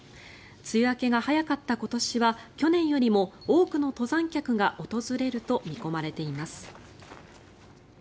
梅雨明けが早かった今年は去年よりも多くの登山客が訪れると見込まれています。